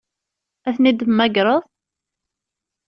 Ad ten-id-temmagreḍ?